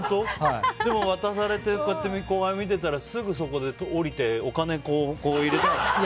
でも、渡されて後輩見てたらすぐそこで降りて、お金懐に入れてない？